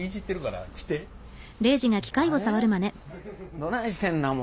どないしてんなもう。